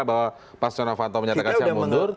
bahwa pak sonofanto menyatakan siang mundur